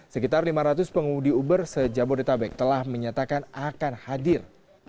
sekitar lima ratus pengemudi uber sejabodetabek telah menyatakan akan hadir